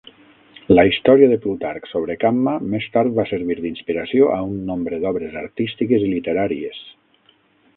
La història de Plutarc sobre Camma més tard va servir d'inspiració a un nombre d'obres artístiques i literàries.